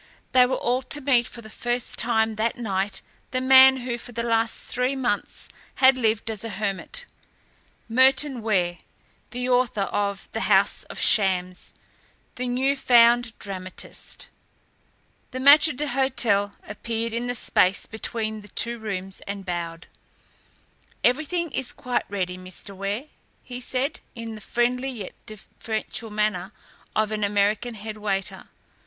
They were all to meet for the first time that night the man who for the last three months had lived as a hermit Merton Ware, the author of "The House of Shams," the new found dramatist. A maître d'hôtel appeared in the space between the two rooms, and bowed. "Everything is quite ready, Mr. Ware," he said, in the friendly yet deferential manner of an American head waiter.